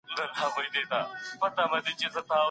د خاوند او ميرمنې مزاج باید ټکر ونه لري.